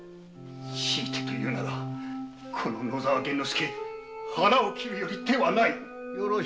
強いてと言うならこのワシは腹を切るより手はない。